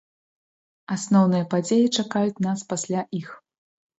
Асноўныя падзеі чакаюць нас пасля іх.